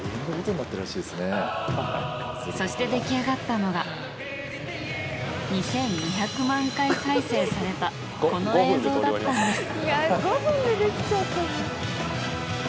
そして、出来上がったのが２２００万回再生されたこの映像だったんです。